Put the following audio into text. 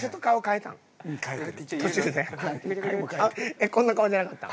えっこんな顔じゃなかった？